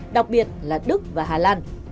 đặc biệt là đức và hà lan